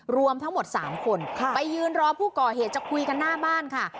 รวมทั้งหมด๓คนไปยืนรอผู้ก่อเหตุจะคุยกันหน้าบ้านค่ะ